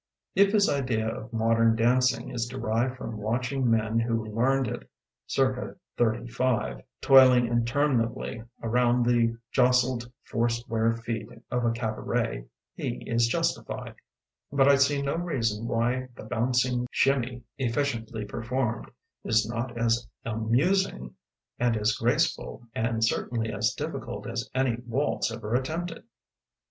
If his idea of modern dancing is derived from watching men who learned it circa thirty five, toiling interminably around the jostled four square feet of a cabaret, he is justified; but I see no reason why the "Bouncing Shimmee" efficiently performed is not as amusing and as graceful and certainly as diffi cult as any waltz ever attempted.